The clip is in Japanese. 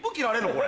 これ。